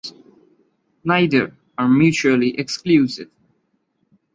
Neither are mutually exclusive.